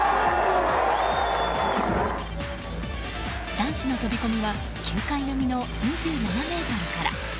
男子の飛び込みは９階並みの２７ｍから。